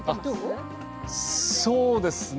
そうですね